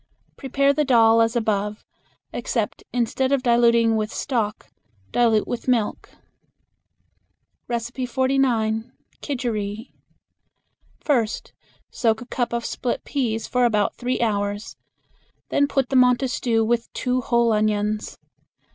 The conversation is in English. Prepare the dal as above, except instead of diluting with stock dilute with milk. 49. Kidgeri. First soak a cup of split peas for about three hours. Then put them on to stew with two whole onions.